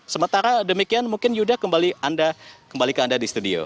sementara demikian mungkin yuda kembali ke anda di studio